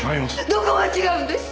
どこが違うんです！